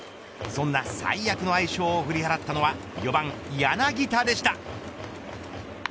そんな最悪の相性を振り払ったのは４番、柳田でした。